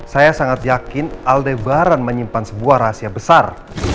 saya sangat yakin aldebaran menyimpan sebuah rahasia besar